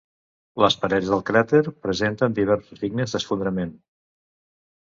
Les parets del cràter presenten diversos signes d'esfondrament.